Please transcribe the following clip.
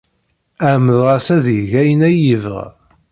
Ɛemmdeɣ-as ad yeg ayen ay yebɣa.